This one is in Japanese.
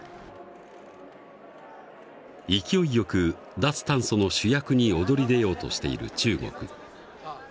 勢いよく脱炭素の主役に躍り出ようとしている中国。